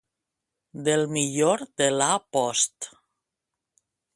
Del millor de la post.